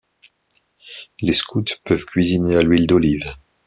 Les scouts peuvent cuisiner à l'huile d'olive.